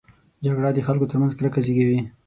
جګړه د خلکو ترمنځ کرکه زېږوي